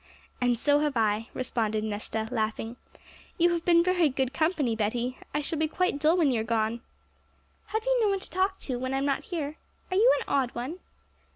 'And so have I,' responded Nesta, laughing. 'You have been very good company, Betty; I shall be quite dull when you are gone.' 'Have you no one to talk to, when I'm not here? Are you an odd one?'